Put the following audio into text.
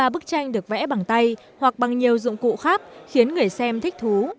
ba bức tranh được vẽ bằng tay hoặc bằng nhiều dụng cụ khác khiến người xem thích thú